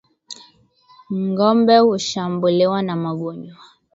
Ngombe hushambuliwa na magonjwa